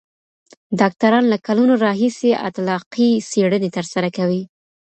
ډاکټران له کلونو راهیسې اطلاقي څېړنې ترسره کوي.